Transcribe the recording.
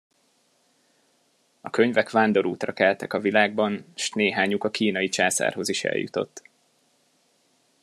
A könyvek vándorútra keltek a világban, s néhányuk a kínai császárhoz is eljutott.